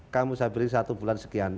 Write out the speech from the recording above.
kamu saya beri satu bulan sekian